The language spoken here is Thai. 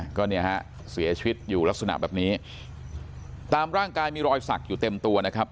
ก็เนี่ยฮะเสียชีวิตอยู่ลักษณะแบบนี้ตามร่างกายมีรอยสักอยู่เต็มตัวนะครับ